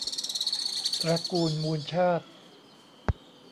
ตระกูลมูลชาติ